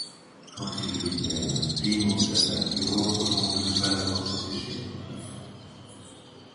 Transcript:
Quand il le libère, Deimos l'attaque, lui reprochant de ne pas l'avoir protégé enfant.